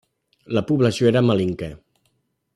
La població era malinke.